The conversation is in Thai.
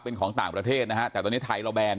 เป็นของต่างประเทศนะฮะแต่ตอนนี้ไทยเราแบน